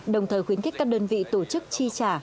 đồng thời khuyến khích các đơn vị tổ chức chi trả